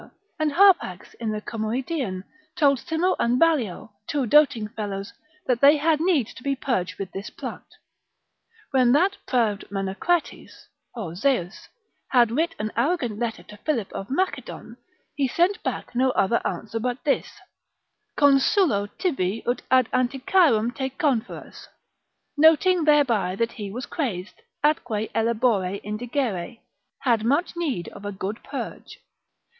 and Harpax in the Comoedian, told Simo and Ballio, two doting fellows, that they had need to be purged with this plant. When that proud Menacrates ὀ ζεὺς, had writ an arrogant letter to Philip of Macedon, he sent back no other answer but this, Consulo tibi ut ad Anticyram te conferas, noting thereby that he was crazed, atque ellebore indigere, had much need of a good purge.